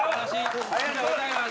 ありがとうございます！